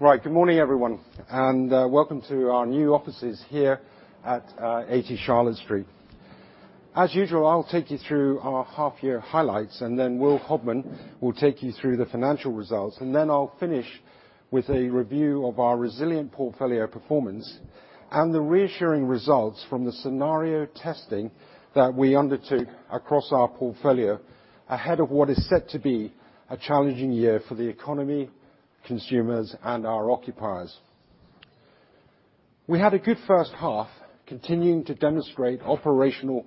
Right. Good morning, everyone, and welcome to our new offices here at 80 Charlotte Street. As usual, I'll take you through our half-year highlights, and then Will Hobman will take you through the financial results. I'll finish with a review of our resilient portfolio performance and the reassuring results from the scenario testing that we undertook across our portfolio ahead of what is set to be a challenging year for the economy, consumers, and our occupiers. We had a good first half, continuing to demonstrate operational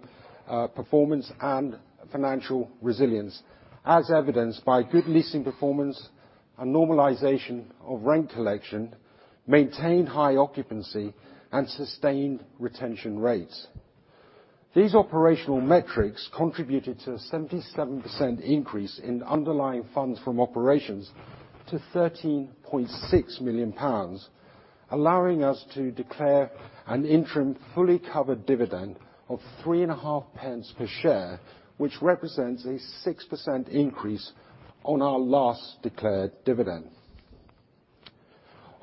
performance and financial resilience as evidenced by good leasing performance and normalization of rent collection, maintained high occupancy, and sustained retention rates. These operational metrics contributed to a 77% increase in underlying funds from operations to 13.6 million pounds, allowing us to declare an interim fully covered dividend of three and a half pence per share, which represents a 6% increase on our last declared dividend.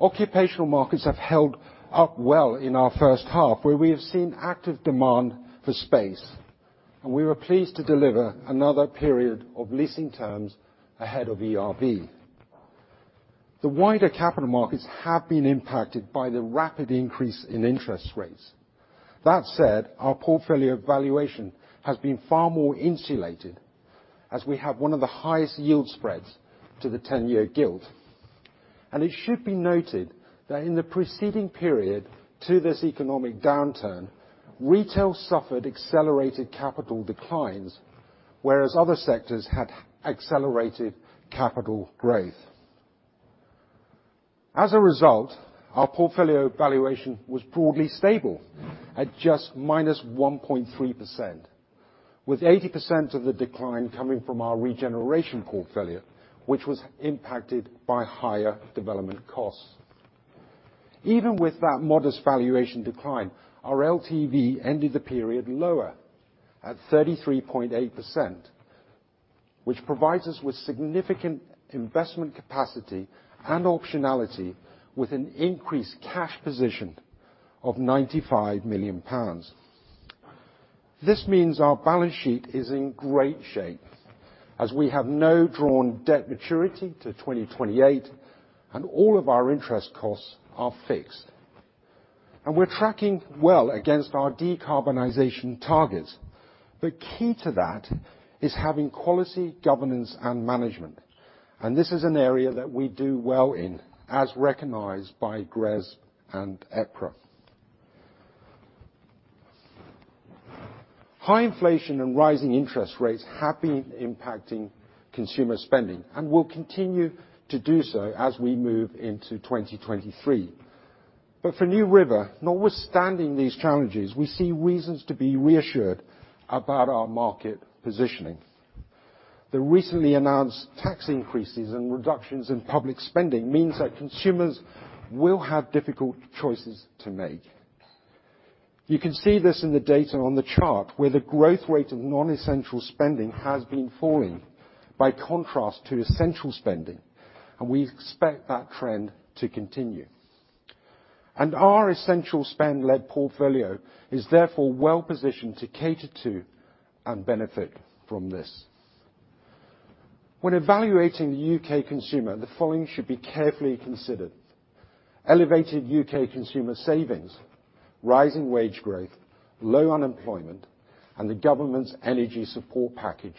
Occupational markets have held up well in our first half, where we have seen active demand for space, we were pleased to deliver another period of leasing terms ahead of ERV. The wider capital markets have been impacted by the rapid increase in interest rates. That said, our portfolio valuation has been far more insulated as we have one of the highest yield spreads to the 10-year gilt. It should be noted that in the preceding period to this economic downturn, retail suffered accelerated capital declines, whereas other sectors had accelerated capital growth. As a result, our portfolio valuation was broadly stable at just minus 1.3%, with 80% of the decline coming from our regeneration portfolio, which was impacted by higher development costs. Even with that modest valuation decline, our LTV ended the period lower at 33.8%, which provides us with significant investment capacity and optionality with an increased cash position of 95 million pounds. This means our balance sheet is in great shape as we have no drawn debt maturity to 2028, and all of our interest costs are fixed. We're tracking well against our decarbonization targets. The key to that is having quality governance and management, and this is an area that we do well in, as recognized by GRESB and EPRA. High inflation and rising interest rates have been impacting consumer spending and will continue to do so as we move into 2023. For NewRiver, notwithstanding these challenges, we see reasons to be reassured about our market positioning. The recently announced tax increases and reductions in public spending means that consumers will have difficult choices to make. You can see this in the data on the chart where the growth rate of non-essential spending has been falling by contrast to essential spending, and we expect that trend to continue. Our essential spend-led portfolio is therefore well positioned to cater to and benefit from this. When evaluating the U.K. consumer, the following should be carefully considered: elevated U.K. consumer savings, rising wage growth, low unemployment, and the government's energy support package,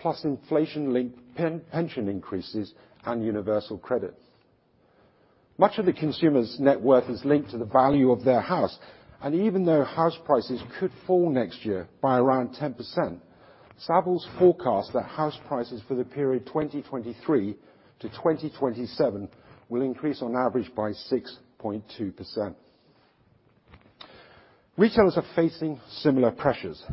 plus inflation-linked pension increases and Universal Credit. Much of the consumer's net worth is linked to the value of their house, and even though house prices could fall next year by around 10%, Savills forecast that house prices for the period 2023 -2027 will increase on average by 6.2%. Retailers are facing similar pressures,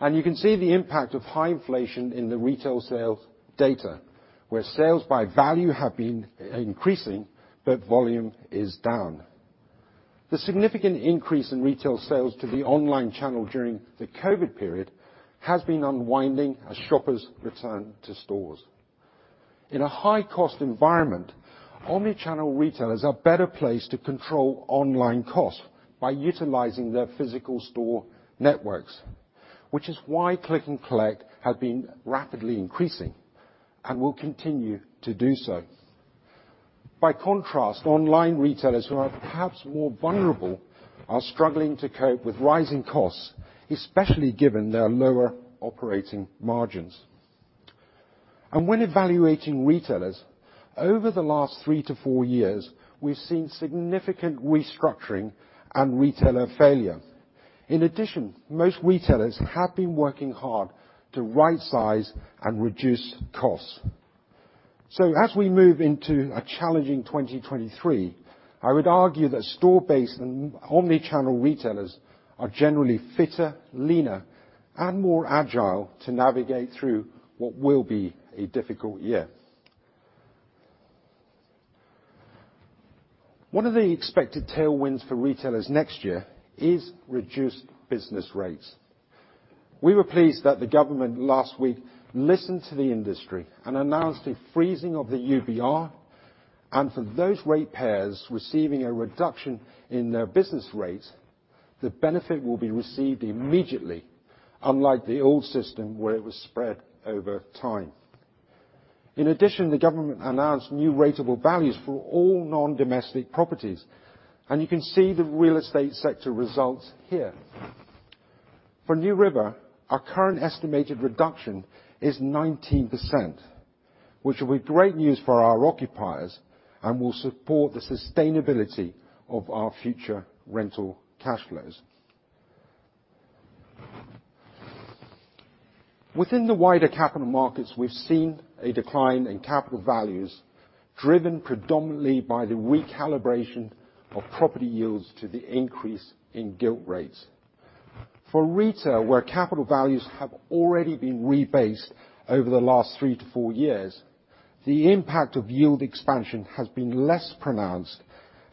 and you can see the impact of high inflation in the retail sales data, where sales by value have been increasing, but volume is down. The significant increase in retail sales to the online channel during the COVID period has been unwinding as shoppers return to stores. In a high-cost environment, omnichannel retailers are better placed to control online costs by utilizing their physical store networks, which is why click and collect has been rapidly increasing and will continue to do so. Online retailers who are perhaps more vulnerable are struggling to cope with rising costs, especially given their lower operating margins. When evaluating retailers, over the last 3-4 years, we've seen significant restructuring and retailer failure. In addition, most retailers have been working hard to right-size and reduce costs. As we move into a challenging 2023, I would argue that store-based and omni-channel retailers are generally fitter, leaner, and more agile to navigate through what will be a difficult year. One of the expected tailwinds for retailers next year is reduced business rates. We were pleased that the government last week listened to the industry and announced a freezing of the UBR, and for those rate payers receiving a reduction in their business rate, the benefit will be received immediately, unlike the old system where it was spread over time. In addition, the government announced new rateable values for all non-domestic properties, and you can see the real estate sector results here. For NewRiver, our current estimated reduction is 19%, which will be great news for our occupiers and will support the sustainability of our future rental cash flows. Within the wider capital markets, we've seen a decline in capital values, driven predominantly by the recalibration of property yields to the increase in gilt rates. For retail, where capital values have already been rebased over the last 3-4 years, the impact of yield expansion has been less pronounced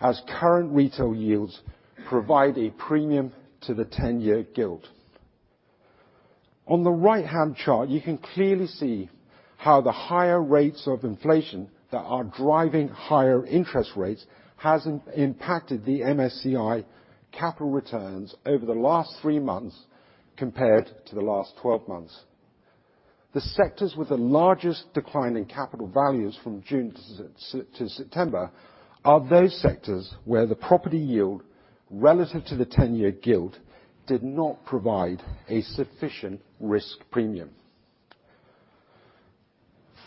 as current retail yields provide a premium to the 10-year gilt. On the right-hand chart, you can clearly see how the higher rates of inflation that are driving higher interest rates has impacted the MSCI capital returns over the last three months compared to the last 12 months. The sectors with the largest decline in capital values from June to September are those sectors where the property yield relative to the 10-year gilt did not provide a sufficient risk premium.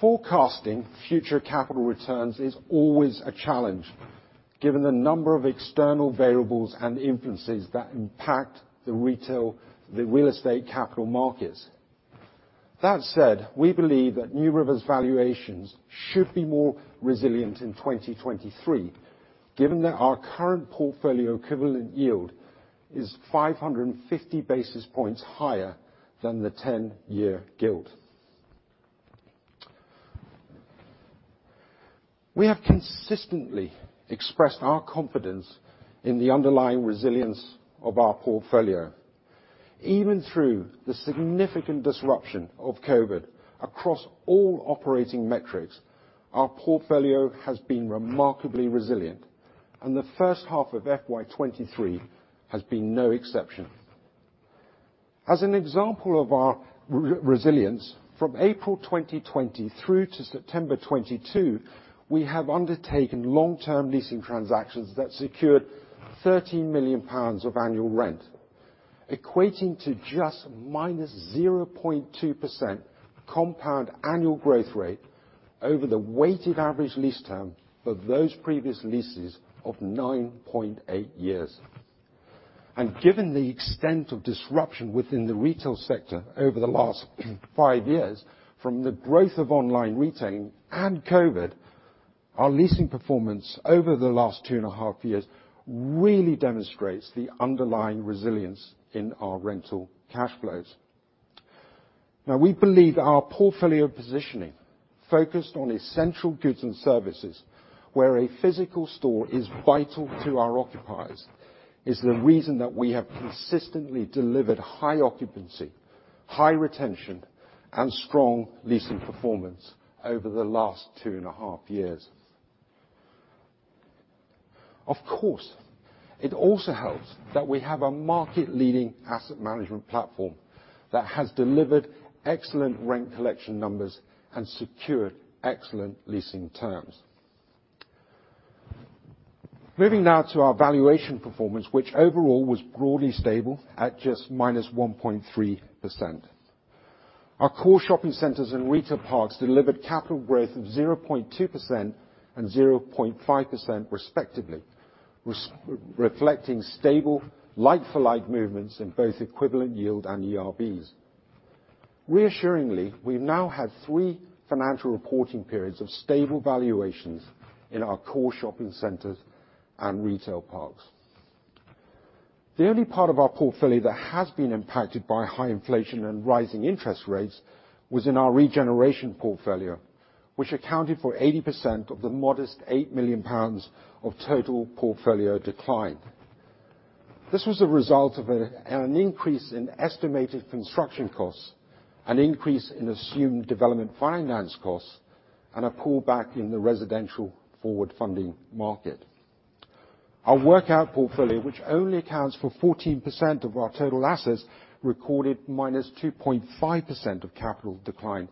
Forecasting future capital returns is always a challenge, given the number of external variables and influences that impact the real estate capital markets. That said, we believe that NewRiver's valuations should be more resilient in 2023, given that our current portfolio equivalent yield is 550 basis points higher than the 10-year gilt. We have consistently expressed our confidence in the underlying resilience of our portfolio. Even through the significant disruption of COVID across all operating metrics, our portfolio has been remarkably resilient, and the first half of FY23 has been no exception. As an example of our re-resilience, from April 2020 through to September 2022, we have undertaken long-term leasing transactions that secured 30 million pounds of annual rent, equating to just -0.2% compound annual growth rate over the weighted average lease term of those previous leases of 9.8 years. Given the extent of disruption within the retail sector over the last five years, from the growth of online retailing and COVID, our leasing performance over the last two and a half years really demonstrates the underlying resilience in our rental cash flows. Now, we believe our portfolio positioning, focused on essential goods and services where a physical store is vital to our occupiers, is the reason that we have consistently delivered high occupancy, high retention, and strong leasing performance over the last two and a half years. Of course, it also helps that we have a market-leading asset management platform that has delivered excellent rent collection numbers and secured excellent leasing terms. Moving now to our valuation performance, which overall was broadly stable at just minus 1.3%. Our core shopping centers and retail parks delivered capital growth of 0.2% and 0.5% respectively, reflecting stable like-for-like movements in both equivalent yield and ERVs. Reassuringly, we've now had three financial reporting periods of stable valuations in our core shopping centers and retail parks. The only part of our portfolio that has been impacted by high inflation and rising interest rates was in our regeneration portfolio, which accounted for 80% of the modest 8 million pounds of total portfolio decline. This was a result of an increase in estimated construction costs, an increase in assumed development finance costs, and a pullback in the residential forward funding market. Our workout portfolio, which only accounts for 14% of our total assets, recorded -2.5% of capital decline,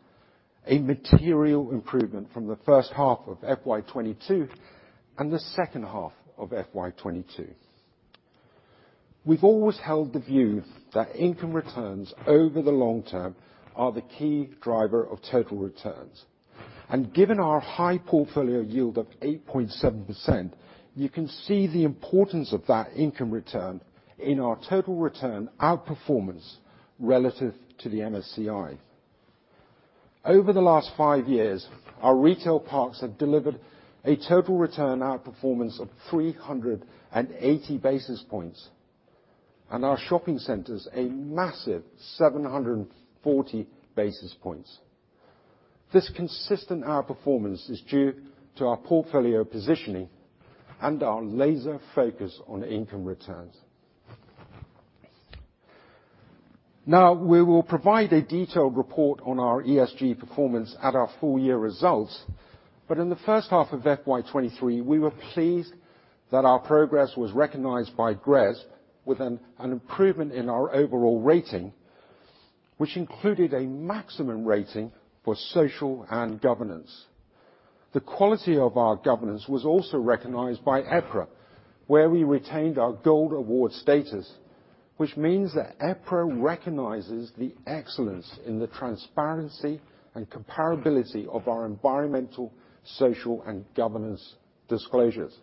a material improvement from the first half of FY2022 and the second half of FY2022. We've always held the view that income returns over the long term are the key driver of total returns. Given our high portfolio yield of 8.7%, you can see the importance of that income return in our total return outperformance relative to the MSCI. Over the last 5 years, our retail parks have delivered a total return outperformance of 380 basis points, and our shopping centers a massive 740 basis points. This consistent outperformance is due to our portfolio positioning and our laser focus on income returns. We will provide a detailed report on our ESG performance at our full year results. In the first half of FY2023, we were pleased that our progress was recognized by GRESB with an improvement in our overall rating, which included a maximum rating for social and governance. The quality of our governance was also recognized by EPRA, where we retained our Gold Award status, which means that EPRA recognizes the excellence in the transparency and comparability of our environmental, social, and governance disclosures.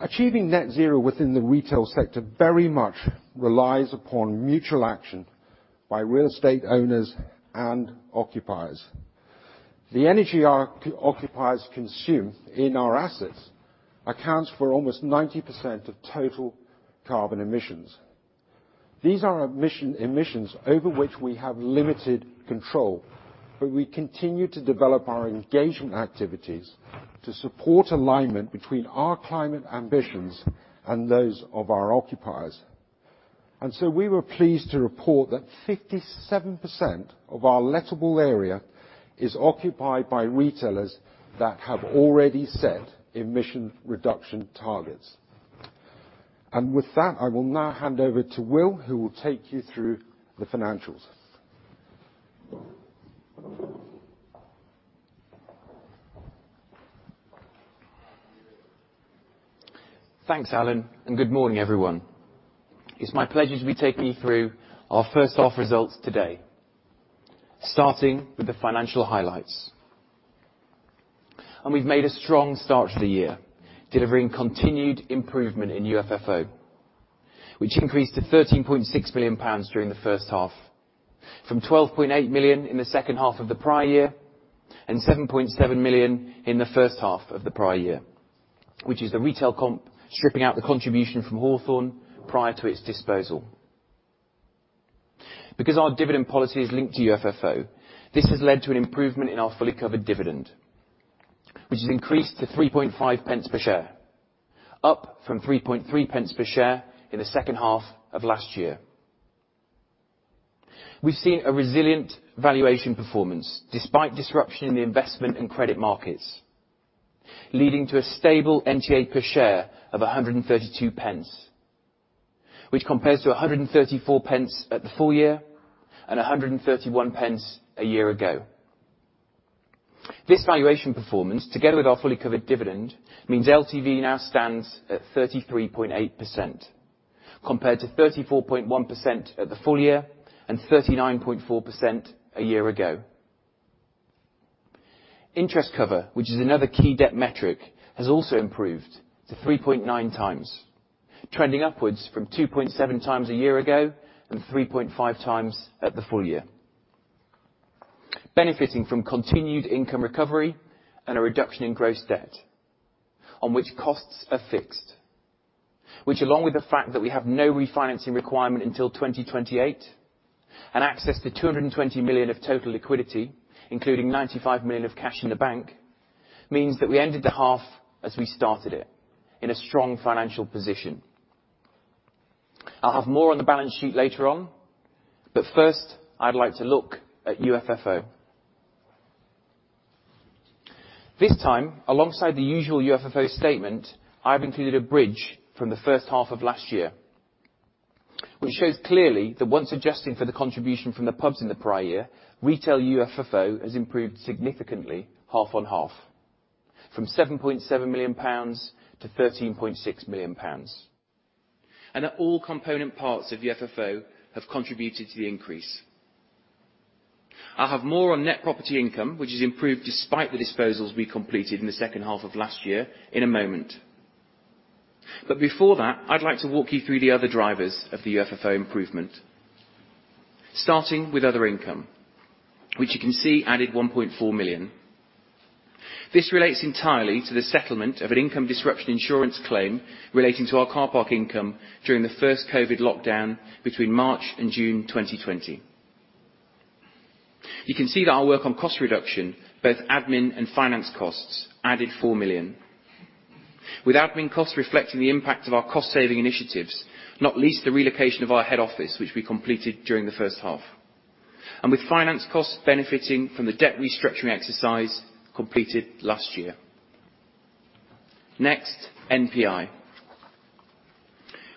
Achieving net zero within the retail sector very much relies upon mutual action by real estate owners and occupiers. The energy our occupiers consume in our assets accounts for almost 90% of total carbon emissions. These are emission over which we have limited control, but we continue to develop our engagement activities to support alignment between our climate ambitions and those of our occupiers. We were pleased to report that 57% of our lettable area is occupied by retailers that have already set emission reduction targets. With that, I will now hand over to Will, who will take you through the financials. Thanks, Alan. Good morning, everyone. It's my pleasure to be taking you through our first half results today, starting with the financial highlights. We've made a strong start to the year, delivering continued improvement in UFFO, which increased to 13.6 million pounds during the first half, from 12.8 million in the second half of the prior year, and 7.7 million in the first half of the prior year, which is the retail comp stripping out the contribution from Hawthorn prior to its disposal. Because our dividend policy is linked to UFFO, this has led to an improvement in our fully covered dividend, which has increased to 3.5 pence per share, up from 3.3 pence per share in the second half of last year. We've seen a resilient valuation performance, despite disruption in the investment and credit markets, leading to a stable NTA per share of 1.32, which compares to 1.34 at the full year and 1.31 a year ago. This valuation performance, together with our fully covered dividend, means LTV now stands at 33.8% compared to 34.1% at the full year and 39.4% a year ago. Interest cover, which is another key debt metric, has also improved to 3.9x, trending upwards from 2.7x a year ago and 3.5x at the full year. Benefiting from continued income recovery and a reduction in gross debt on which costs are fixed, which along with the fact that we have no refinancing requirement until 2028 and access to 220 million of total liquidity, including 95 million of cash in the bank, means that we ended the half as we started it, in a strong financial position. I'll have more on the balance sheet later on, but first, I'd like to look at UFFO. This time, alongside the usual UFFO statement, I've included a bridge from the first half of last year, which shows clearly that once adjusting for the contribution from the pubs in the prior year, retail UFFO has improved significantly half on half, from 7.7 million pounds to 13.6 million pounds, and that all component parts of UFFO have contributed to the increase. I'll have more on net property income, which has improved despite the disposals we completed in the second half of last year in a moment. Before that, I'd like to walk you through the other drivers of the UFFO improvement, starting with other income, which you can see added 1.4 million. This relates entirely to the settlement of an income disruption insurance claim relating to our car park income during the first COVID lockdown between March and June 2020. You can see that our work on cost reduction, both admin and finance costs, added 4 million. With admin costs reflecting the impact of our cost saving initiatives, not least the relocation of our head office, which we completed during the first half, and with finance costs benefiting from the debt restructuring exercise completed last year. Next, NPI,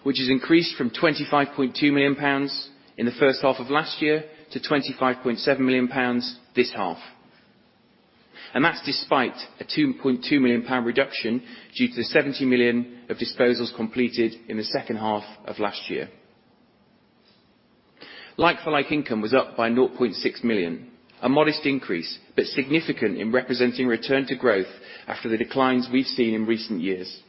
which has increased from 25.2 million pounds in the first half of last year to 25.7 million pounds this half. That's despite a 2.2 million pound reduction due to the 70 million of disposals completed in the second half of last year. Like-for-like income was up by 0.6 million, a modest increase, but significant in representing return to growth after the declines we've seen in recent years.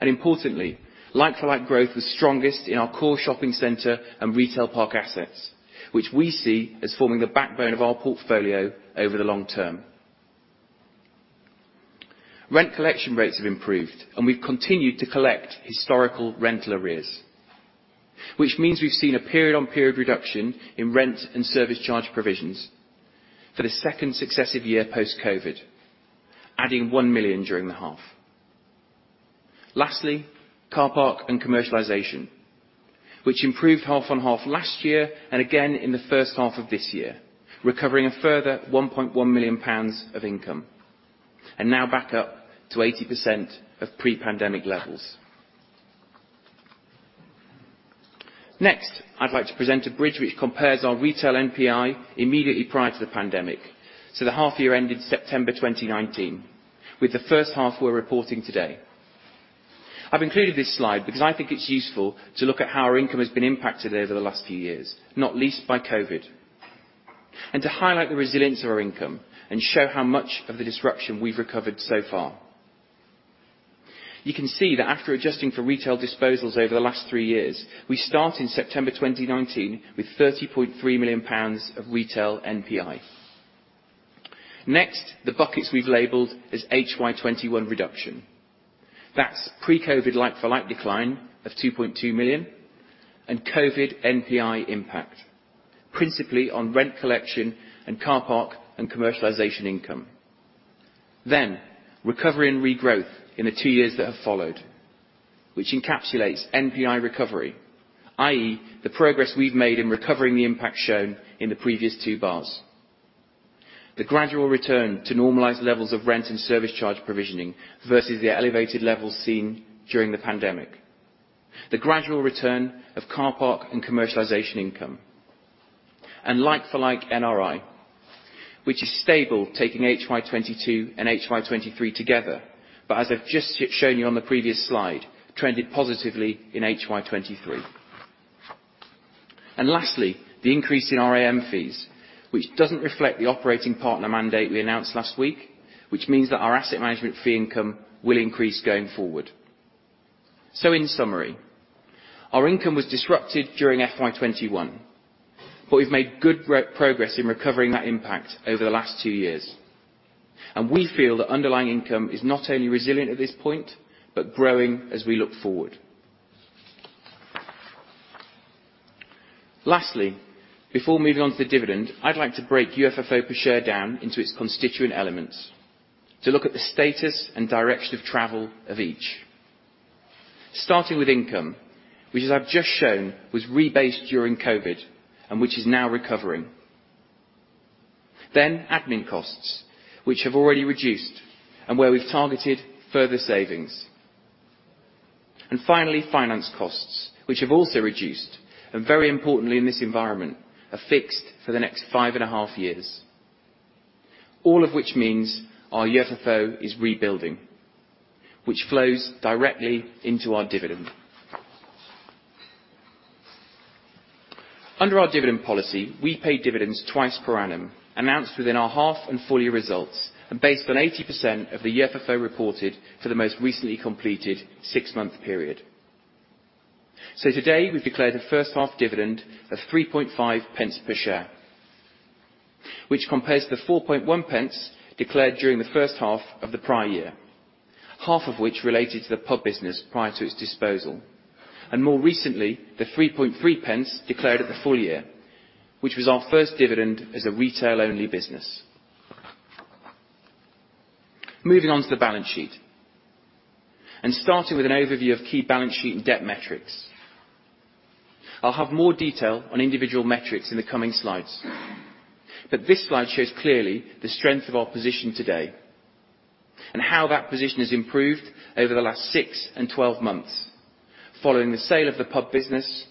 Importantly, like-for-like growth was strongest in our core shopping center and retail park assets, which we see as forming the backbone of our portfolio over the long term. Rent collection rates have improved, and we've continued to collect historical rental arrears, which means we've seen a period on period reduction in rent and service charge provisions for the second successive year post-COVID, adding 1 million during the half. Car park and commercialization, which improved half on half last year, and again in the first half of this year, recovering a further 1.1 million pounds of income, and now back up to 80% of pre-pandemic levels. I'd like to present a bridge which compares our retail NPI immediately prior to the pandemic, so the half-year ended September 2019, with the first half we're reporting today. I've included this slide because I think it's useful to look at how our income has been impacted over the last few years, not least by COVID. To highlight the resilience of our income and show how much of the disruption we've recovered so far. You can see that after adjusting for retail disposals over the last three years, we start in September 2019 with 30.3 million pounds of retail NPI. The buckets we've labeled as HY21 reduction. That's pre-COVID like-for-like decline of 2.2 million and COVID NPI impact, principally on rent collection and car park and commercialization income. Recovery and regrowth in the two years that have followed, which encapsulates NPI recovery, i.e., the progress we've made in recovering the impact shown in the previous two bars. The gradual return to normalized levels of rent and service charge provisioning versus the elevated levels seen during the pandemic. The gradual return of car park and commercialization income. Like-for-like NRI, which is stable taking HY22 and HY23 together, but as I've just shown you on the previous slide, trended positively in HY23. Lastly, the increase in RAM fees, which doesn't reflect the operating partner mandate we announced last week, which means that our asset management fee income will increase going forward. In summary, our income was disrupted during FY2021, but we've made good re-progress in recovering that impact over the last two years. We feel that underlying income is not only resilient at this point, but growing as we look forward. Lastly, before moving on to the dividend, I'd like to break UFFO per share down into its constituent elements to look at the status and direction of travel of each. Starting with income, which as I've just shown, was rebased during COVID and which is now recovering. Admin costs, which have already reduced and where we've targeted further savings. Finally, finance costs, which have also reduced, and very importantly in this environment, are fixed for the next 5 and a half years. All of which means our UFFO is rebuilding, which flows directly into our dividend. Under our dividend policy, we pay dividends twice per annum, announced within our half and full year results, based on 80% of the UFFO reported for the most recently completed six-month period. Today we've declared a first half dividend of 3.5 pence per share, which compares to the 4.1 pence declared during the first half of the prior year, half of which related to the pub business prior to its disposal. More recently, the 3.3 pence declared at the full year, which was our first dividend as a retail-only business. Moving on to the balance sheet, starting with an overview of key balance sheet and debt metrics. I'll have more detail on individual metrics in the coming slides. This slide shows clearly the strength of our position today and how that position has improved over the last 6 and 12 months following the sale of the pub business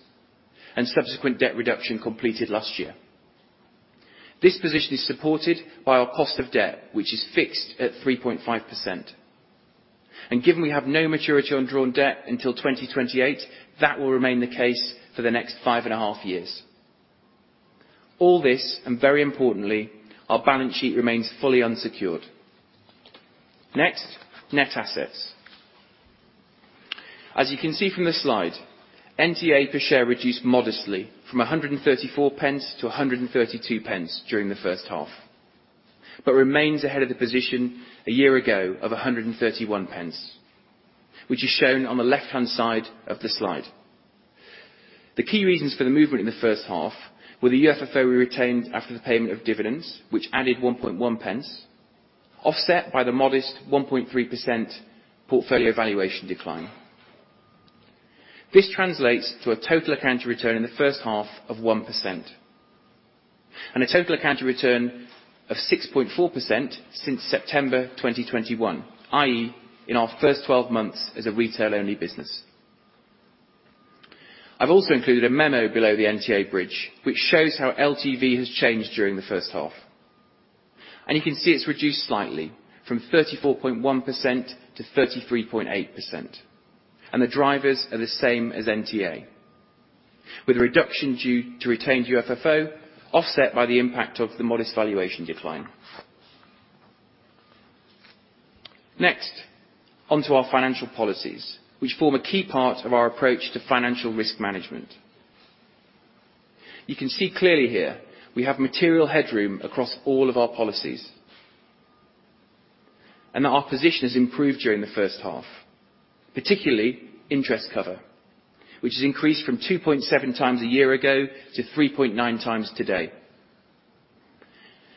and subsequent debt reduction completed last year. This position is supported by our cost of debt, which is fixed at 3.5%. Given we have no maturity on drawn debt until 2028, that will remain the case for the next five and a half years. All this, and very importantly, our balance sheet remains fully unsecured. Next, net assets. As you can see from the slide, NTA per share reduced modestly from 1.34 to 1.32 during the HY, but remains ahead of the position a year ago of 1.31, which is shown on the left-hand side of the slide. The key reasons for the movement in the first half were the UFFO we retained after the payment of dividends, which added 0.011, offset by the modest 1.3% portfolio valuation decline. This translates to a total account return in the first half of 1%, and a total account return of 6.4% since September 2021, i.e., in our 12 months as a retail-only business. I've also included a memo below the NTA bridge, which shows how LTV has changed during the first half. You can see it's reduced slightly from 34.1%-33.8%, and the drivers are the same as NTA, with a reduction due to retained UFFO offset by the impact of the modest valuation decline. Next, onto our financial policies, which form a key part of our approach to financial risk management. You can see clearly here we have material headroom across all of our policies, and that our position has improved during the first half, particularly interest cover, which has increased from 2.7x a year ago to 3.9x today.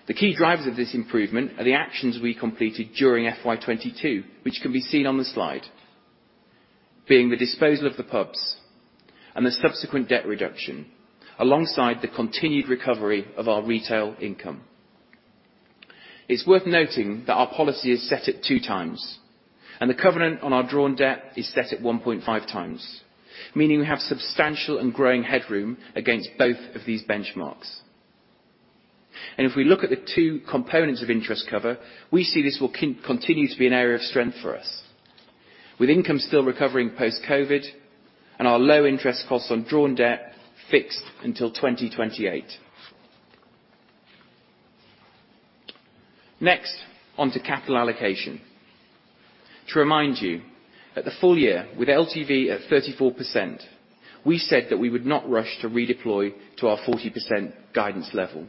The key drivers of this improvement are the actions we completed during FY2022, which can be seen on the slide, being the disposal of the pubs and the subsequent debt reduction alongside the continued recovery of our retail income. It's worth noting that our policy is set at 2x, and the covenant on our drawn debt is set at 1.5x, meaning we have substantial and growing headroom against both of these benchmarks. If we look at the two components of interest cover, we see this will continue to be an area of strength for us. With income still recovering post-COVID, and our low interest costs on drawn debt fixed until 2028. Next, onto capital allocation. To remind you, at the full year, with LTV at 34%, we said that we would not rush to redeploy to our 40% guidance level.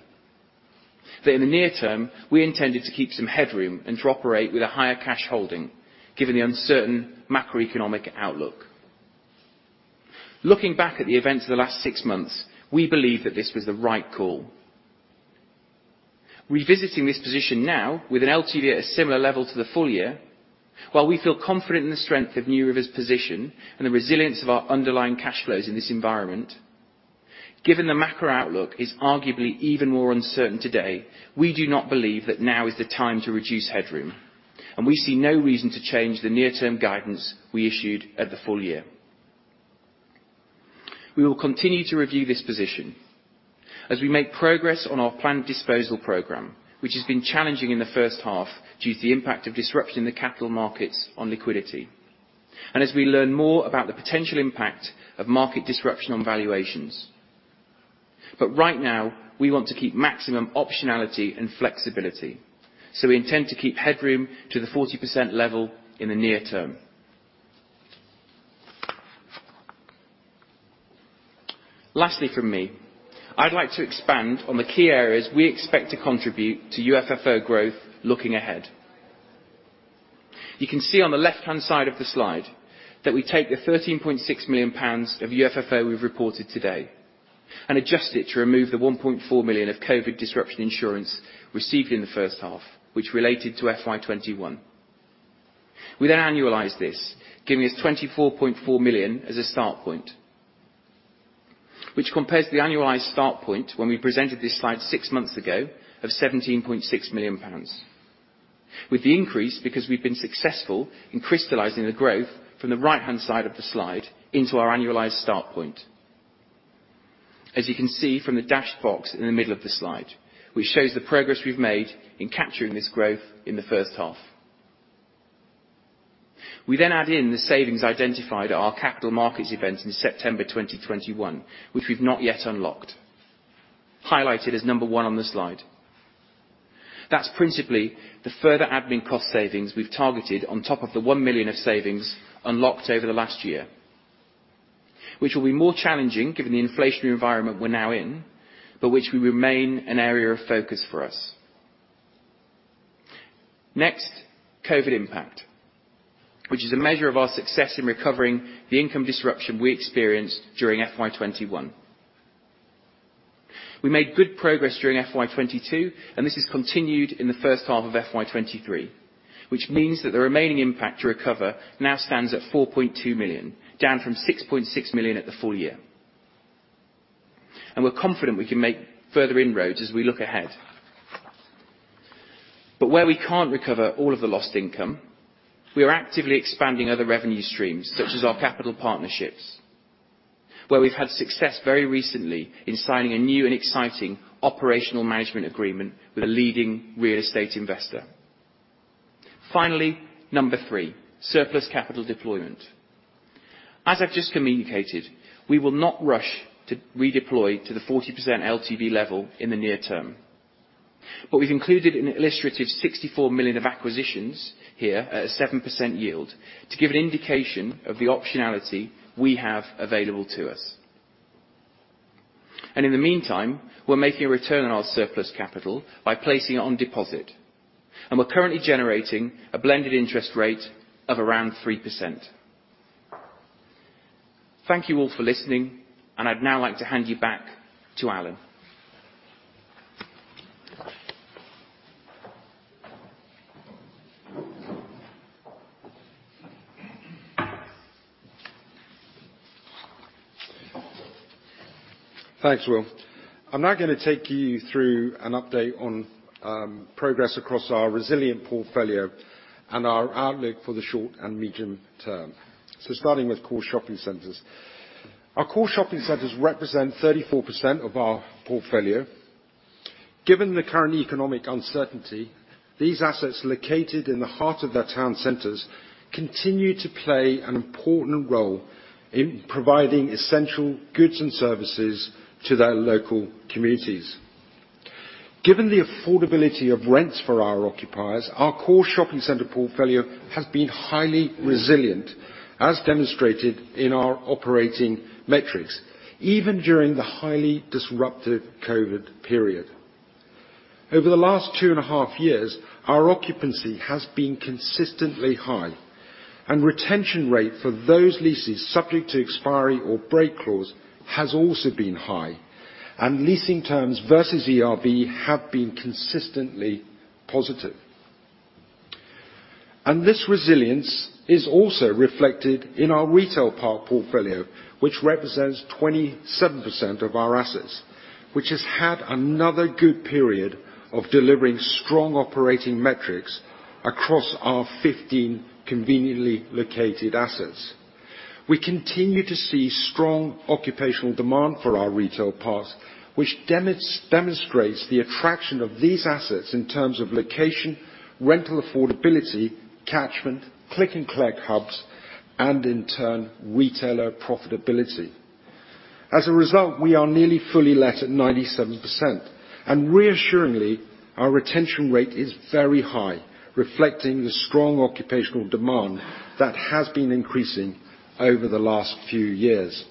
In the near term, we intended to keep some headroom and to operate with a higher cash holding given the uncertain macroeconomic outlook. Looking back at the events of the last 6 months, we believe that this was the right call. Revisiting this position now with an LTV at a similar level to the full year, while we feel confident in the strength of NewRiver's position and the resilience of our underlying cash flows in this environment, given the macro outlook is arguably even more uncertain today, we do not believe that now is the time to reduce headroom. We see no reason to change the near term guidance we issued at the full year. We will continue to review this position as we make progress on our planned disposal program, which has been challenging in the first half due to the impact of disruption in the capital markets on liquidity. As we learn more about the potential impact of market disruption on valuations. Right now, we want to keep maximum optionality and flexibility, so we intend to keep headroom to the 40% level in the near term. Lastly from me, I'd like to expand on the key areas we expect to contribute to UFFO growth looking ahead. You can see on the left-hand side of the slide that we take the 13.6 million pounds of UFFO we've reported today and adjust it to remove the 1.4 million of COVID disruption insurance received in the first half, which related to FY2021. We annualize this, giving us 24.4 million as a start point, which compares to the annualized start point when we presented this slide six months ago of 17.6 million pounds. With the increase, because we've been successful in crystallizing the growth from the right-hand side of the slide into our annualized start point. As you can see from the dashed box in the middle of the slide, which shows the progress we've made in capturing this growth in the first half. We add in the savings identified at our capital markets event in September 2021, which we've not yet unlocked, highlighted as number one on the slide. That's principally the further admin cost savings we've targeted on top of the 1 million of savings unlocked over the last year, which will be more challenging given the inflationary environment we're now in, but which will remain an area of focus for us. COVID impact, which is a measure of our success in recovering the income disruption we experienced during FY2021. We made good progress during FY2022, and this is continued in the first half of FY2023, which means that the remaining impact to recover now stands at 4.2 million, down from 6.6 million at the full year. We're confident we can make further inroads as we look ahead. Where we can't recover all of the lost income, we are actively expanding other revenue streams, such as our capital partnerships, where we've had success very recently in signing a new and exciting operational management agreement with a leading real estate investor. Finally, number three, surplus capital deployment. As I've just communicated, we will not rush to redeploy to the 40% LTV level in the near term. We've included an illustrative 64 million of acquisitions here at a 7% yield to give an indication of the optionality we have available to us. In the meantime, we're making a return on our surplus capital by placing it on deposit, we're currently generating a blended interest rate of around 3%. Thank you all for listening, I'd now like to hand you back to Alan. Thanks, Will. I'm now gonna take you through an update on progress across our resilient portfolio and our outlook for the short and medium term. Starting with core shopping centers. Our core shopping centers represent 34% of our portfolio. Given the current economic uncertainty, these assets located in the heart of their town centers continue to play an important role in providing essential goods and services to their local communities. Given the affordability of rents for our occupiers, our core shopping center portfolio has been highly resilient, as demonstrated in our operating metrics, even during the highly disruptive COVID period. Over the last two and a half years, our occupancy has been consistently high, and retention rate for those leases subject to expiry or break clause has also been high, and leasing terms versus ERV have been consistently positive. This resilience is also reflected in our retail park portfolio, which represents 27% of our assets, which has had another good period of delivering strong operating metrics across our 15 conveniently located assets. We continue to see strong occupational demand for our retail parks, which demonstrates the attraction of these assets in terms of location, rental affordability, catchment, click-and-collect hubs, and in turn, retailer profitability. As a result, we are nearly fully let at 97% and reassuringly, our retention rate is very high, reflecting the strong occupational demand that has been increasing over the last few years.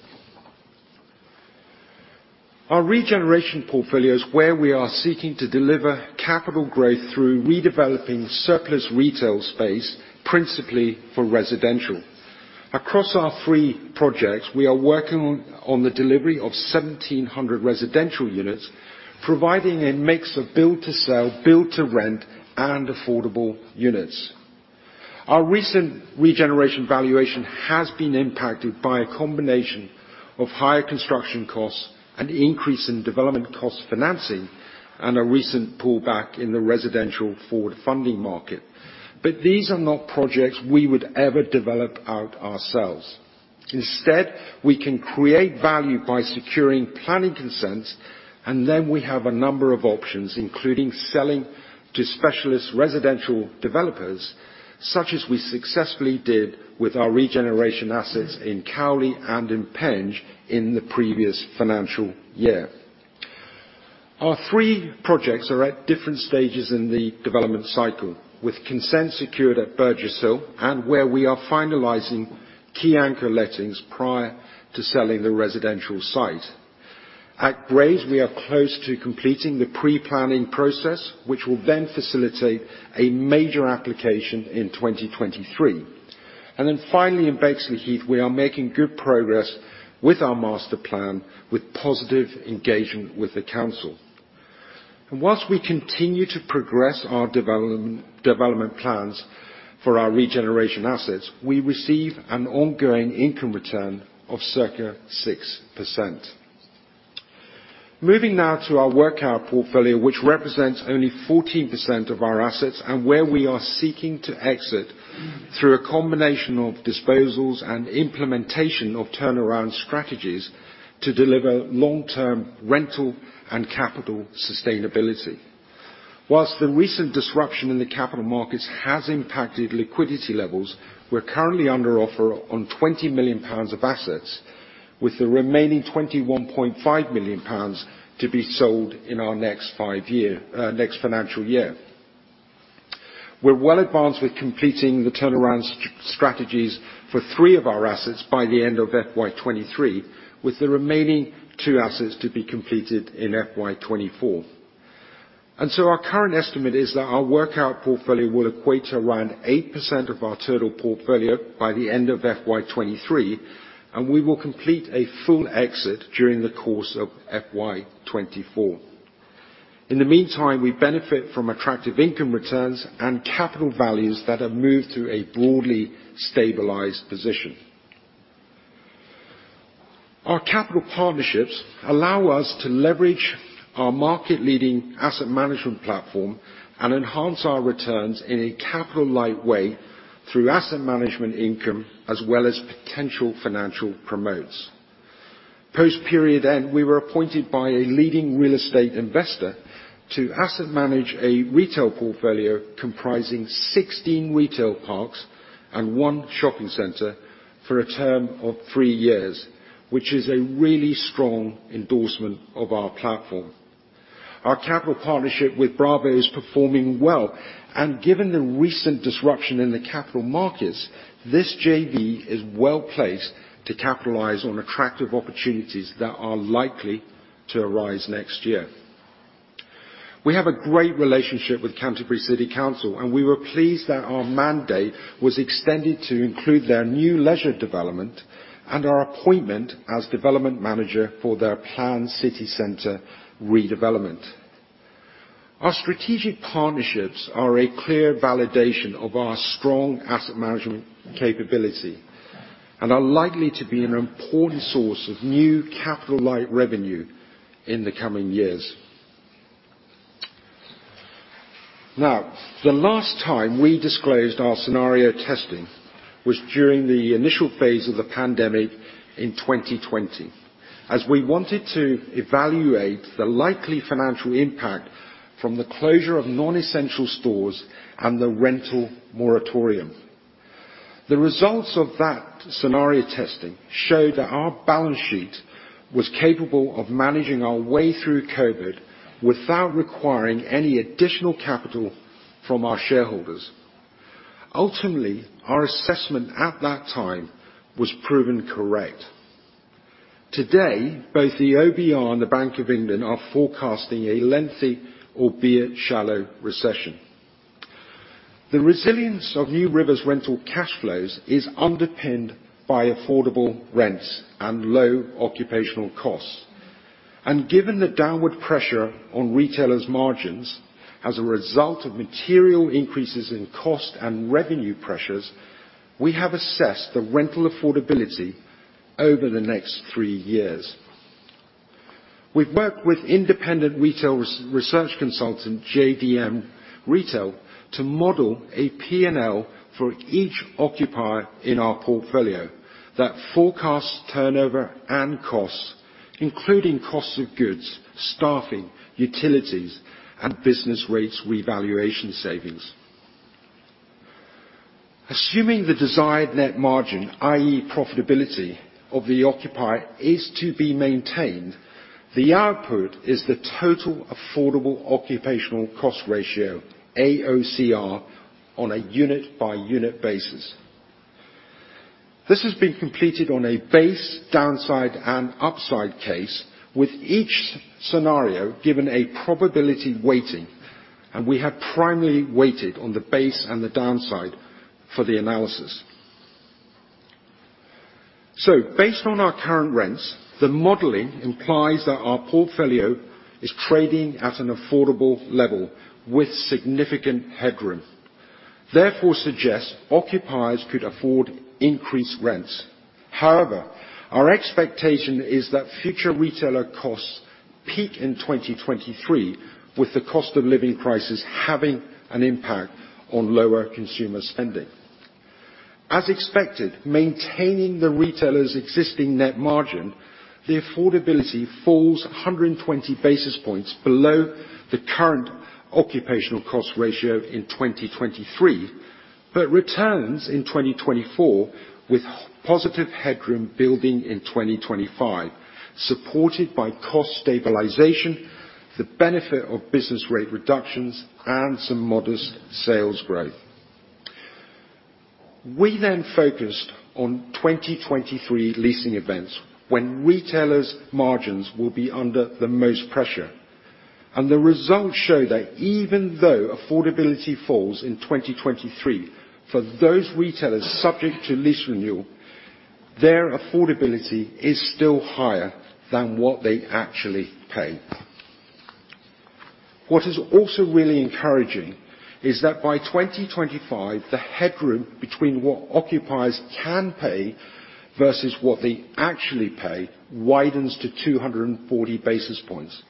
Our regeneration portfolio is where we are seeking to deliver capital growth through redeveloping surplus retail space, principally for residential. Across our three projects, we are working on the delivery of 1,700 residential units, providing a mix of build to sell, build to rent, and affordable units. Our recent regeneration valuation has been impacted by a combination of higher construction costs, an increase in development cost financing, and a recent pullback in the residential forward funding market. These are not projects we would ever develop out ourselves. Instead, we can create value by securing planning consents, and then we have a number of options, including selling to specialist residential developers, such as we successfully did with our regeneration assets in Cowley and in Penge in the previous financial year. Our three projects are at different stages in the development cycle, with consent secured at Burgess Hill and where we are finalizing key anchor lettings prior to selling the residential site. At Grays, we are close to completing the pre-planning process, which will then facilitate a major application in 2023. Finally, in Bexleyheath, we are making good progress with our master plan with positive engagement with the council. Whilst we continue to progress our development plans for our regeneration assets, we receive an ongoing income return of circa 6%. Moving now to our workout portfolio, which represents only 14% of our assets and where we are seeking to exit through a combination of disposals and implementation of turnaround strategies to deliver long-term rental and capital sustainability. The recent disruption in the capital markets has impacted liquidity levels, we're currently under offer on 20 million pounds of assets, with the remaining 21.5 million pounds to be sold in our next five year next financial year. We're well advanced with completing the turnaround strategies for three of our assets by the end of FY2023, with the remaining two assets to be completed in FY2024. Our current estimate is that our workout portfolio will equate to around 8% of our total portfolio by the end of FY2023, and we will complete a full exit during the course of FY2024. In the meantime, we benefit from attractive income returns and capital values that have moved to a broadly stabilized position. Our capital partnerships allow us to leverage our market-leading asset management platform and enhance our returns in a capital-light way through asset management income as well as potential financial promotes. Post-period end, we were appointed by a leading real estate investor to asset manage a retail portfolio comprising 16 retail parks and one shopping center for a term of three years, which is a really strong endorsement of our platform. Our capital partnership with Bravo is performing well, and given the recent disruption in the capital markets, this JV is well-placed to capitalize on attractive opportunities that are likely to arise next year. We have a great relationship with Canterbury City Council, and we were pleased that our mandate was extended to include their new leisure development and our appointment as development manager for their planned city center redevelopment. Our strategic partnerships are a clear validation of our strong asset management capability and are likely to be an important source of new capital-light revenue in the coming years. The last time we disclosed our scenario testing was during the initial phase of the pandemic in 2020, as we wanted to evaluate the likely financial impact from the closure of non-essential stores and the rental moratorium. The results of that scenario testing showed that our balance sheet was capable of managing our way through COVID without requiring any additional capital from our shareholders. Ultimately, our assessment at that time was proven correct. Today, both the OBR and the Bank of England are forecasting a lengthy, albeit shallow, recession. The resilience of NewRiver's rental cash flows is underpinned by affordable rents and low occupational costs. Given the downward pressure on retailers' margins as a result of material increases in cost and revenue pressures, we have assessed the rental affordability over the next three years. We've worked with independent retail research consultant, JDM Retail, to model a P&L for each occupier in our portfolio that forecasts turnover and costs, including costs of goods, staffing, utilities, and business rates revaluation savings. Assuming the desired net margin, i.e., profitability, of the occupier is to be maintained, the output is the total affordable occupational cost ratio, AOCR, on a unit-by-unit basis. This has been completed on a base, downside, and upside case, with each scenario given a probability weighting, and we have primarily weighted on the base and the downside for the analysis. Based on our current rents, the modeling implies that our portfolio is trading at an affordable level with significant headroom, therefore suggests occupiers could afford increased rents. However, our expectation is that future retailer costs peak in 2023, with the cost of living crisis having an impact on lower consumer spending. As expected, maintaining the retailer's existing net margin, the affordability falls 120 basis points below the current occupational cost ratio in 2023, but returns in 2024 with positive headroom building in 2025, supported by cost stabilization, the benefit of business rate reductions, and some modest sales growth. We focused on 2023 leasing events, when retailers' margins will be under the most pressure, and the results show that even though affordability falls in 2023, for those retailers subject to lease renewal, their affordability is still higher than what they actually pay. What is also really encouraging is that by 2025, the headroom between what occupiers can pay versus what they actually pay widens to 240 basis points,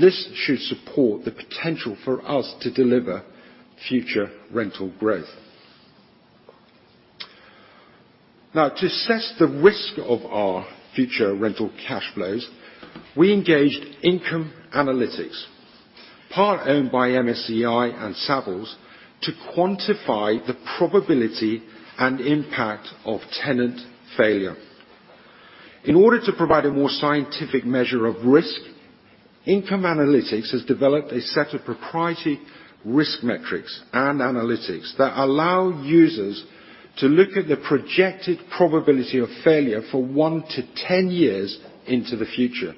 this should support the potential for us to deliver future rental growth. To assess the risk of our future rental cash flows, we engaged Income Analytics, part-owned by MSCI and Savills, to quantify the probability and impact of tenant failure. In order to provide a more scientific measure of risk, Income Analytics has developed a set of proprietary risk metrics and analytics that allow users to look at the projected probability of failure for 1-10 years into the future.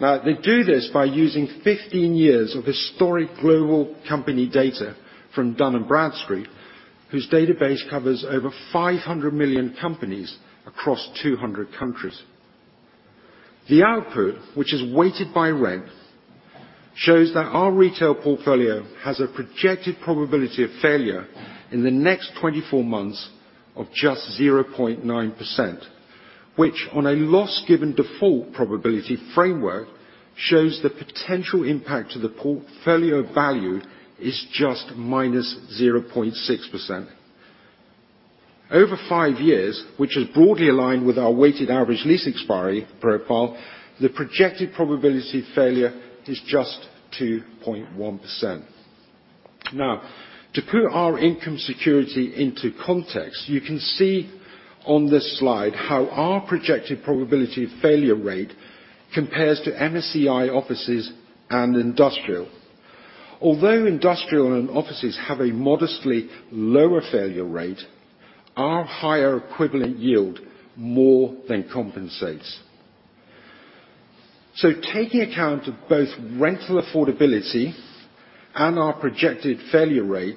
They do this by using 15 years of historic global company data from Dun & Bradstreet, whose database covers over 500 million companies across 200 countries. The output, which is weighted by rent, shows that our retail portfolio has a projected probability of failure in the next 24 months of just 0.9%, which on a loss given default probability framework, shows the potential impact to the portfolio value is just -0.6%. Over five years, which is broadly aligned with our weighted average lease expiry profile, the projected probability of failure is just 2.1%. To put our income security into context, you can see on this slide how our projected probability of failure rate compares to MSCI offices and industrial. Although industrial and offices have a modestly lower failure rate, our higher equivalent yield more than compensates. Taking account of both rental affordability and our projected failure rate,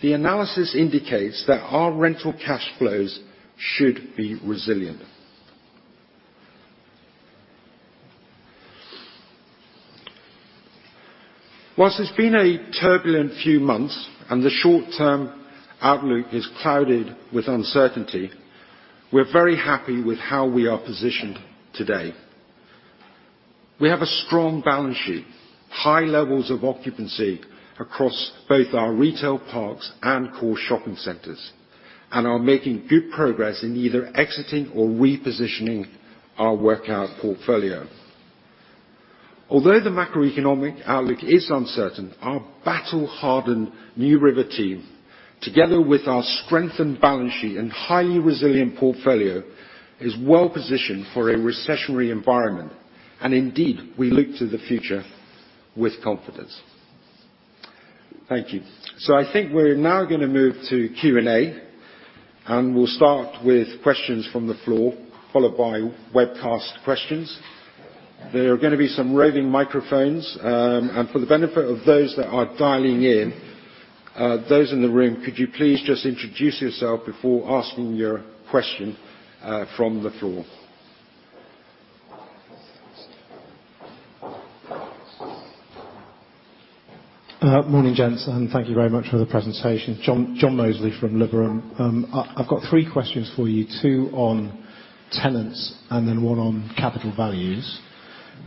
the analysis indicates that our rental cash flows should be resilient. Whilst it's been a turbulent few months, and the short-term outlook is clouded with uncertainty, we're very happy with how we are positioned today. We have a strong balance sheet, high levels of occupancy across both our retail parks and core shopping centers, and are making good progress in either exiting or repositioning our workout portfolio. Although the macroeconomic outlook is uncertain, our battle-hardened NewRiver team, together with our strengthened balance sheet and highly resilient portfolio, is well positioned for a recessionary environment. Indeed, we look to the future with confidence. Thank you. I think we're now gonna move to Q&A. We'll start with questions from the floor, followed by webcast questions. There are gonna be some roving microphones. For the benefit of those that are dialing in, those in the room, could you please just introduce yourself before asking your question from the floor? Morning, gents. Thank you very much for the presentation. John Mozley from Liberum. I've got three questions for you, two on tenants, and then one on capital values.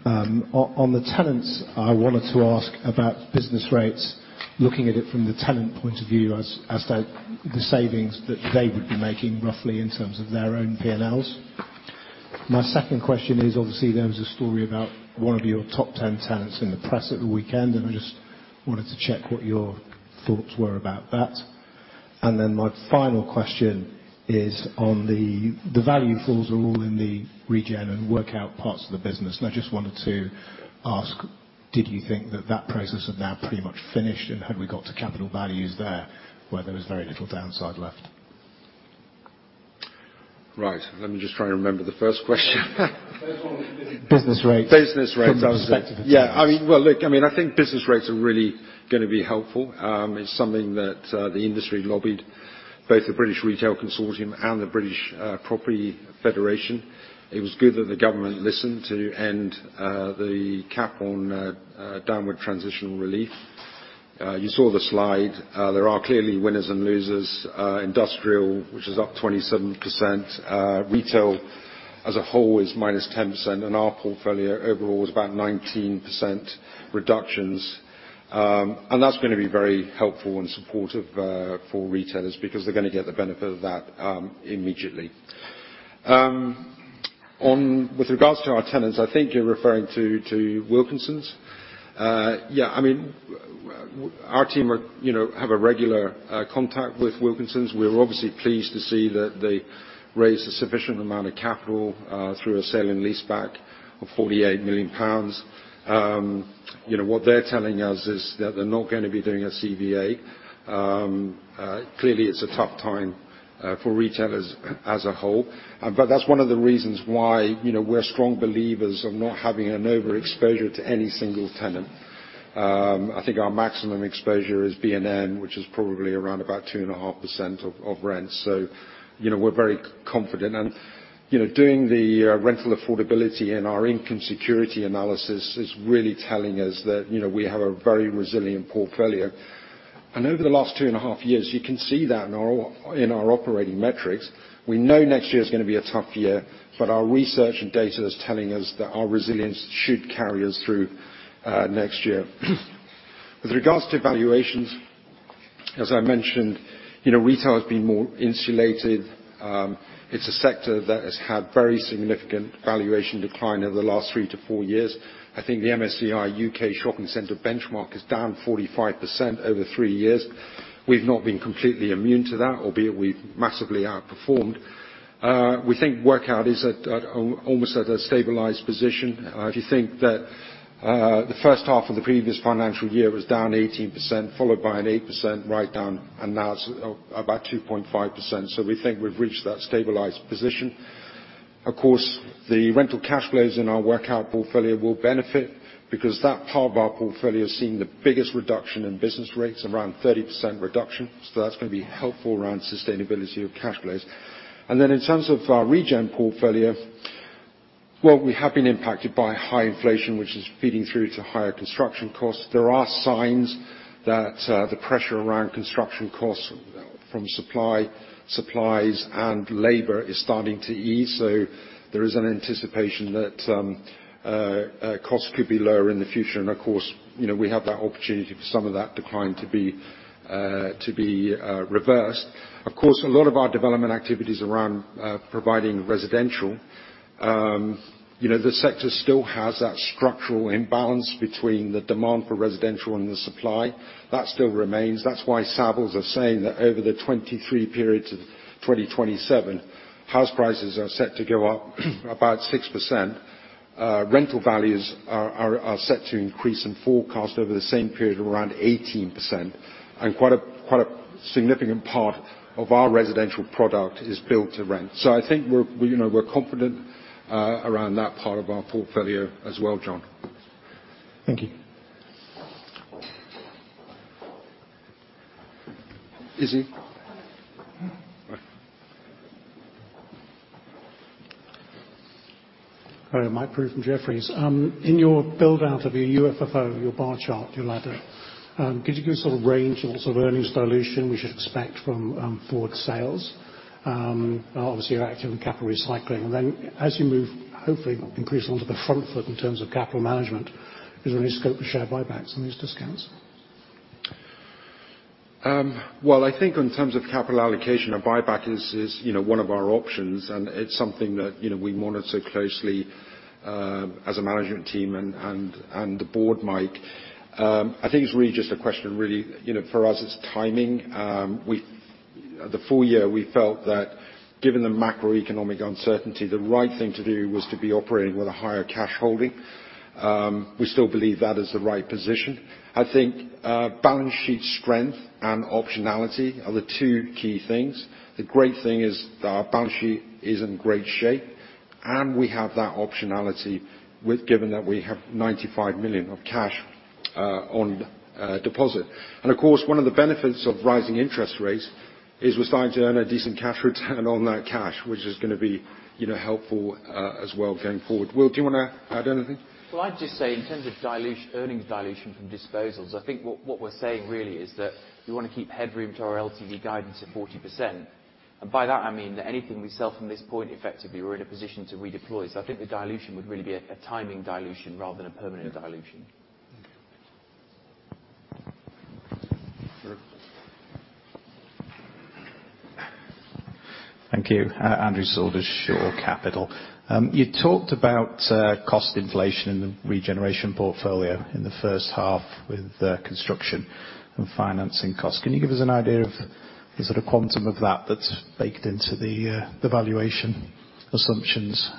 On the tenants, I wanted to ask about business rates, looking at it from the tenant point of view as to the savings that they would be making roughly in terms of their own P&Ls. My second question is, obviously, there was a story about one of your top 10 tenants in the press over the weekend, and I just wanted to check what your thoughts were about that. My final question is on the. The value falls are all in the region and work out parts of the business. I just wanted to ask, did you think that that process is now pretty much finished, and had we got to capital values there where there is very little downside left? Let me just try to remember the first question. The first one was business rates. Business rates from the perspective of tenants. Yeah. I mean, well, look, I mean, I think business rates are really gonna be helpful. It's something that the industry lobbied both the British Retail Consortium and the British Property Federation. It was good that the government listened to end the cap on downward transitional relief. You saw the slide. There are clearly winners and losers. Industrial, which is up 27%. Retail as a whole is -10%, and our portfolio overall was about 19% reductions. And that's gonna be very helpful and supportive for retailers because they're gonna get the benefit of that immediately. With regards to our tenants, I think you're referring to Wilko. Yeah, I mean, our team are, you know, have a regular contact with Wilko. We're obviously pleased to see that they raised a sufficient amount of capital through a sale and leaseback of 48 million pounds. You know, what they're telling us is that they're not gonna be doing a CVA. Clearly, it's a tough time for retailers as a whole. That's one of the reasons why, you know, we're strong believers of not having an overexposure to any single tenant. I think our maximum exposure is B&M, which is probably around about 2.5% of rent. You know, we're very confident. You know, doing the rental affordability and our income security analysis is really telling us that, you know, we have a very resilient portfolio. Over the last 2.5 years, you can see that in our operating metrics. We know next year is gonna be a tough year, but our research and data is telling us that our resilience should carry us through next year. With regards to valuations, as I mentioned, you know, retail has been more insulated. It's a sector that has had very significant valuation decline over the last three to four years. I think the MSCI U.K. Shopping Center benchmark is down 45% over three years. We've not been completely immune to that, albeit we've massively outperformed. We think workout is at almost at a stabilized position. If you think that the first half of the previous financial year was down 18%, followed by an 8% write-down, and now it's about 2.5%. We think we've reached that stabilized position. The rental cash flows in our workout portfolio will benefit because that part of our portfolio has seen the biggest reduction in business rates, around 30% reduction. That's gonna be helpful around sustainability of cash flows. In terms of our region portfolio, well, we have been impacted by high inflation, which is feeding through to higher construction costs. There are signs that the pressure around construction costs from supplies and labor is starting to ease, there is an anticipation that costs could be lower in the future. Of course, you know, we have that opportunity for some of that decline to be reversed. A lot of our development activity is around providing residential. You know, the sector still has that structural imbalance between the demand for residential and the supply. That still remains. That's why Savills are saying that over the 2023 period to 2027, house prices are set to go up about 6%. Rental values are set to increase and forecast over the same period of around 18%, and quite a significant part of our residential product is built to rent. I think we're, you know, we're confident around that part of our portfolio as well, John. Thank you. Izzy. Hello. Michael Prew from Jefferies. In your build-out of your UFFO, your bar chart, your ladder, could you give sort of range of sort of earnings dilution we should expect from forward sales? Obviously, you're active in capital recycling. As you move, hopefully increase onto the front foot in terms of capital management, is there any scope of share buybacks on these discounts? Well, I think in terms of capital allocation, a buyback is, you know, one of our options, and it's something that, you know, we monitor closely, as a management team and the board, Mike. I think it's really just a question, you know, for us it's timing. The full year we felt that given the macroeconomic uncertainty, the right thing to do was to be operating with a higher cash holding. We still believe that is the right position. I think, balance sheet strength and optionality are the two key things. The great thing is that our balance sheet is in great shape, and we have that optionality with given that we have 95 million of cash on deposit. Of course, one of the benefits of rising interest rates is we're starting to earn a decent cash return on that cash, which is gonna be, you know, helpful as well going forward. Will, do you wanna add anything? I'd just say in terms of earning dilution from disposals, I think what we're saying really is that we wanna keep headroom to our LTV guidance at 40%. By that, I mean that anything we sell from this point effectively we're in a position to redeploy. I think the dilution would really be a timing dilution rather than a permanent dilution. Yeah. Thank you. Sir? Thank you. Andrew Saunders, Shore Capital. You talked about cost inflation in the regeneration portfolio in the first half with the construction and financing cost. Can you give us an idea of the sort of quantum of that that's baked into the valuation assumptions?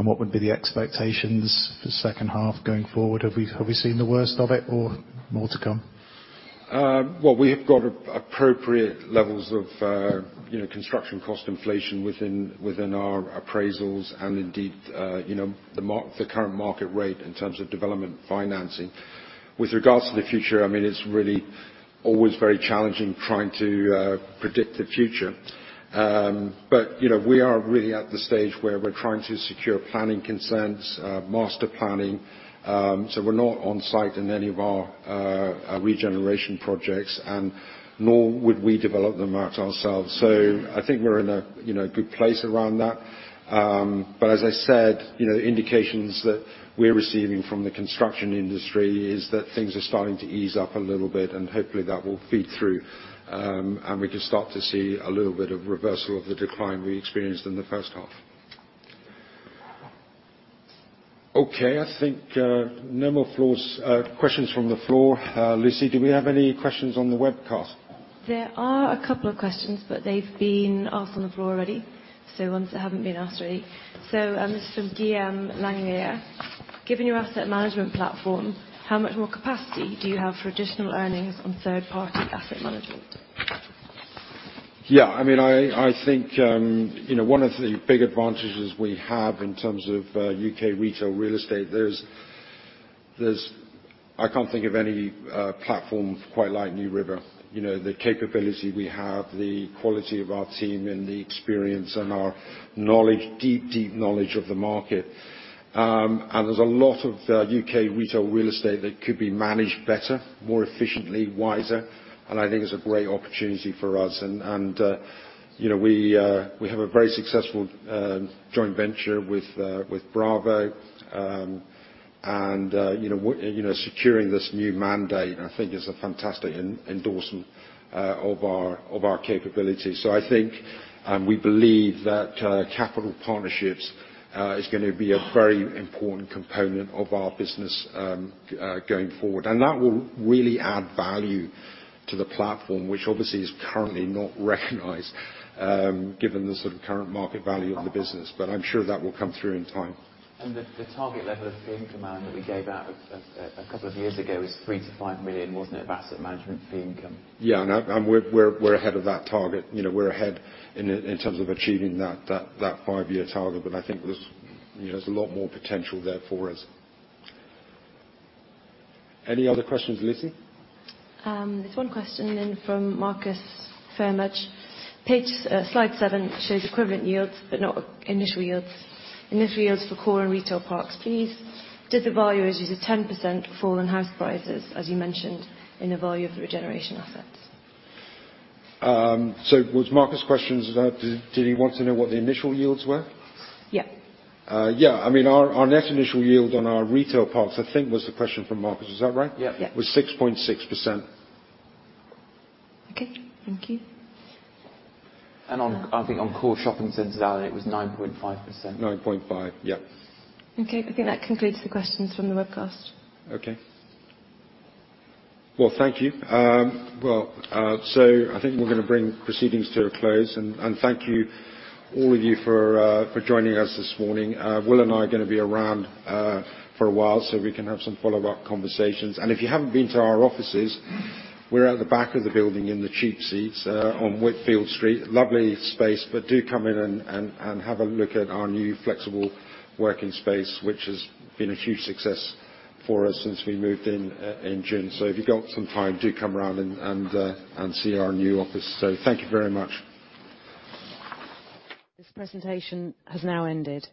What would be the expectations for second half going forward? Have we seen the worst of it or more to come? Well, we have got appropriate levels of, you know, construction cost inflation within our appraisals and indeed, you know, the current market rate in terms of development financing. With regards to the future, I mean, it's really always very challenging trying to predict the future. You know, we are really at the stage where we're trying to secure planning consents, master planning. We're not on site in any of our regeneration projects, and nor would we develop them out ourselves. I think we're in a, you know, good place around that. As I said, you know, indications that we're receiving from the construction industry is that things are starting to ease up a little bit, and hopefully that will feed through, and we can start to see a little bit of reversal of the decline we experienced in the first half. Okay, I think questions from the floor. Lucy, do we have any questions on the webcast? There are a couple of questions, but they've been asked on the floor already, so ones that haven't been asked already. This is from Guillaume Langley. Given your asset management platform, how much more capacity do you have for additional earnings on third-party asset management? Yeah. I mean, I think, you know, one of the big advantages we have in terms of U.K. Retail real estate, there's I can't think of any platform quite like NewRiver. You know, the capability we have, the quality of our team and the experience and our knowledge, deep, deep knowledge of the market. There's a lot of U.K. retail real estate that could be managed better, more efficiently, wiser, and I think it's a great opportunity for us. You know, we have a very successful joint venture with Bravo. You know, securing this new mandate, I think is a fantastic endorsement of our capabilities. I think, and we believe that capital partnerships is gonna be a very important component of our business, going forward. That will really add value to the platform, which obviously is currently not recognized, given the sort of current market value of the business, but I'm sure that will come through in time. The target level of fee income that we gave out a couple of years ago is 3 million-5 million, wasn't it? Asset management fee income. Yeah. We're ahead of that target. You know, we're ahead in terms of achieving that five year target. I think there's, you know, there's a lot more potential there for us. Any other questions, Lucy? There's one question in from Marcus Fairmatch. Page, slide seven shows equivalent yields, but not initial yields. Initial yields for core and retail parks, please? Did the valuation use a 10% fall in house prices as you mentioned in the value of the regeneration assets? Was Marcus' question is that did he want to know what the initial yields were? Yeah. Yeah, I mean, our net initial yield on our retail parks, I think was the question from Marcus, is that right? Yeah. Yeah. Was 6.6%. Okay. Thank you. On, I think on core shopping centers, Alan, it was 9.5%. 9.5. Yeah. Okay. I think that concludes the questions from the webcast. Okay. Well, thank you. I think we're gonna bring proceedings to a close, and thank you, all of you, for joining us this morning. Will and I are gonna be around for a while, so we can have some follow-up conversations. If you haven't been to our offices, we're at the back of the building in the cheap seats on Whitfield Street. Lovely space, do come in and have a look at our new flexible working space, which has been a huge success for us since we moved in in June. If you've got some time, do come around and see our new office. Thank you very much. This presentation has now ended.